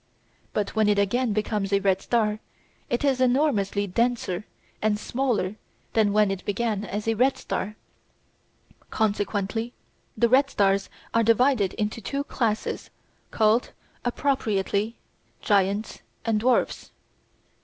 But when it again becomes a red star it is enormously denser and smaller than when it began as a red star. Consequently the red stars are divided into two classes called, appropriately, Giants and Dwarfs.